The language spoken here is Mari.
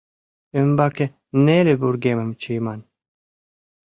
Ӱмбаке неле вургемым чийыман.